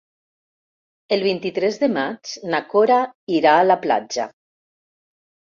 El vint-i-tres de maig na Cora irà a la platja.